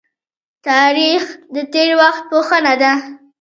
تاریخ د تیر وخت پوهنه ده